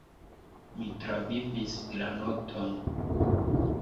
Mi travivis la nokton!